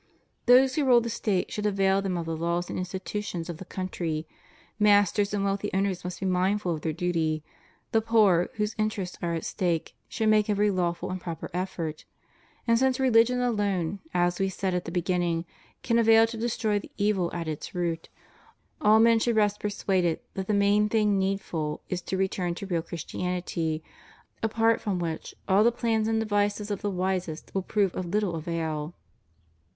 Those who rule the State should avail them of the laws and institutions of the country; masters and wealthy owners must be mindful of their duty; the poor, whose interests are at stake, should make every lawful and proper effort; and since religion alone, as We said at the beginning, can avail to destroy the evil at its root, all men should rest persuaded that the main thing need ful is to return to real Christianity, apart from which all the plans and devices of the wisest will prove of little avail.